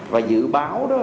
và dự báo đó